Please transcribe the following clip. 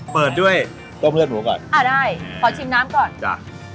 เปิดด้วยต้มเลือดหมูก่อนอ่าได้ขอชิมน้ำก่อนจ้ะ